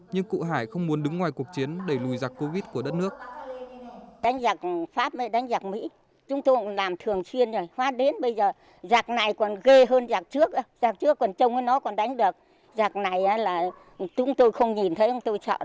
nhưng cụ bà đã không thể tham gia kháng chiến